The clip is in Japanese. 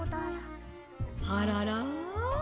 「あらら？」。